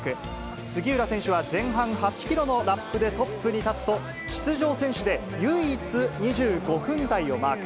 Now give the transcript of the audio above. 杉浦選手は前半８キロのラップでトップに立つと、出場選手で唯一２５分台をマーク。